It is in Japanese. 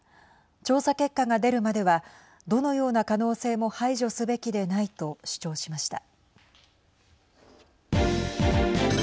調査結果が出るまではどのような可能性も排除すべきでないと主張しました。